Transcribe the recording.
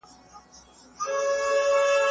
کار حق او د ټولنیزو فعالیتونو حق ته باید درناوی وسي.